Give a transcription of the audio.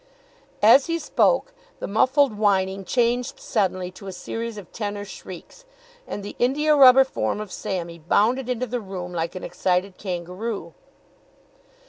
As he spoke the muffled whining changed suddenly to a series of tenor shrieks, and the india rubber form of Sammy bounded into the room like an excited kangaroo.